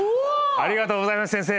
ありがとうございます先生。